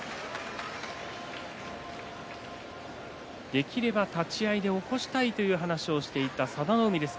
できれば立ち合いで起こしたいという話をしていた佐田の海です。